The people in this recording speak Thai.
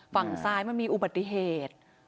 ฝั่งซ้ายมันมีอุบัติเหตุ